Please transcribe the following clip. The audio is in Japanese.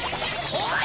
おい！